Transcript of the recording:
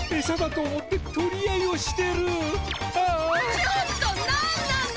ちょっとなんなの？